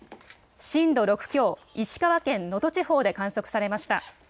震度６強、石川県能登地方で観測されました。